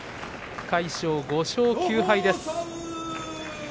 魁勝は５勝９敗です。